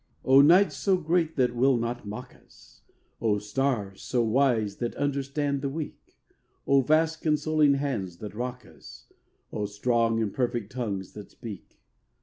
O night so great that will not mock us! O stars so wise that understand the weak! O vast consoling hands that rock us! O strong and perfect tongues that speak!